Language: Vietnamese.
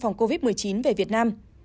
phòng covid một mươi chín về việt nam